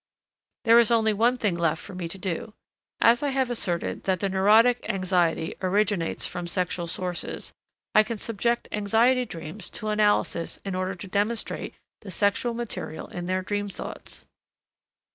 There is only one thing left for me to do. As I have asserted that the neurotic anxiety originates from sexual sources, I can subject anxiety dreams to analysis in order to demonstrate the sexual material in their dream thoughts.